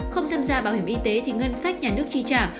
không tham gia bảo hiểm y tế thì ngân sách nhà nước chi trả